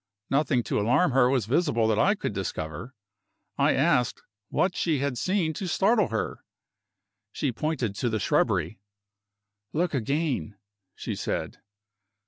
Nothing to alarm her was visible that I could discover. I asked what she had seen to startle her. She pointed to the shrubbery. "Look again," she said.